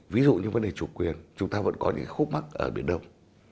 ví dụ như vấn đề chủ quyền chúng ta vẫn có những khúc mắt ở biển đông